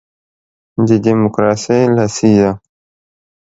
د دیموکراسۍ لسیزه